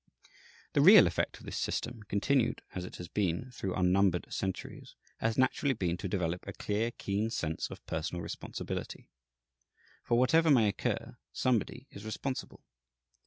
The real effect of this system, continued as it has been through unnumbered centuries, has naturally been to develop a clear, keen sense of personal responsibility. For, whatever may occur, somebody is responsible.